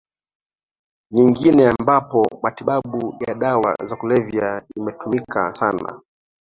nyingine ambapo matibabu ya dawa za kulevya imetumika sana